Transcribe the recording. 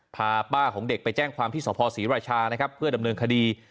พาป้าของเด็กไปแจ้งความที่สภศรีราชานะครับเพื่อดำเนินคดี